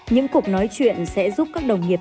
những cuộc nói chuyện sẽ giúp các đồng nghiệp